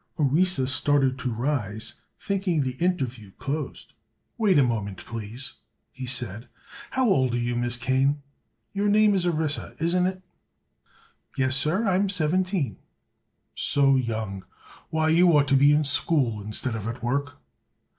Orissa started to rise, thinking the interview closed. "Wait a moment, please," he said. "How old are you, Miss Kane?—your name is Orissa, isn't it?" "Yes, sir. I am seventeen." "So young! Why, you ought to be in school, instead of at work."